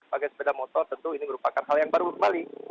pakai sepeda motor tentu ini merupakan hal yang baru kembali